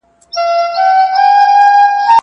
که په ښوونځي کې خوشحالي وي، نو زده کوونکي خوشحاله وي.